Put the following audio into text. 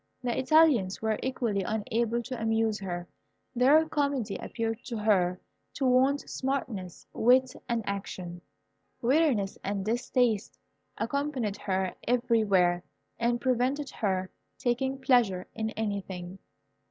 The Italians were equally unable to amuse her. Their comedy appeared to her to want smartness, wit and action. Weariness and distaste accompanied her everywhere, and prevented her taking pleasure in anything.